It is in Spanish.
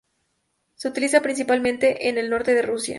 Se utiliza principalmente en el norte de Rusia.